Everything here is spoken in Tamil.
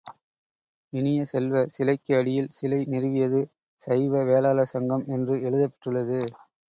இனிய செல்வ, சிலைக்கு அடியில் சிலை நிறுவியது சைவ வேளாளர் சங்கம் என்று எழுதப் பெற்றுள்ளது.